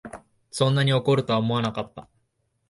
そんなに怒るとは思わなかった